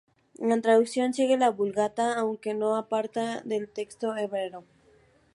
La traducción sigue la Vulgata, aunque no se aparta del texto hebreo.